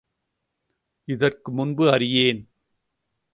இதற்கு முன்பு அறியேன்.